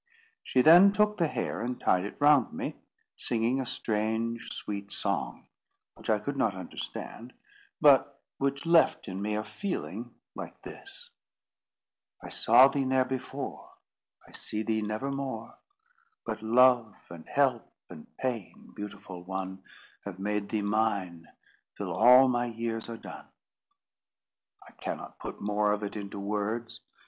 She then took the hair and tied it round me, singing a strange, sweet song, which I could not understand, but which left in me a feeling like this— "I saw thee ne'er before; I see thee never more; But love, and help, and pain, beautiful one, Have made thee mine, till all my years are done." I cannot put more of it into words.